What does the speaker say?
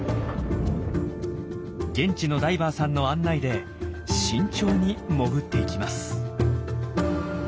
現地のダイバーさんの案内で慎重に潜っていきます。